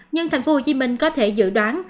nhưng thành phố hồ chí minh có thể dự đoán